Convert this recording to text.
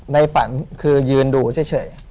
ในฝันคือยืนดูเฉย